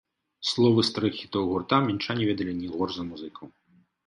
Словы старых хітоў гурта мінчане ведалі не горш за музыкаў.